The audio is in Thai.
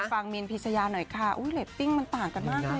ฟังมินพิชยาหน่อยค่ะอุ้ยเรตติ้งมันต่างกันมากเลยอ่ะ